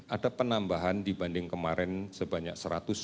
ada penambahan dibanding kemarin sebanyak satu ratus sembilan puluh